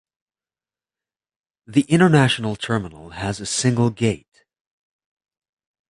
The international terminal has a single gate.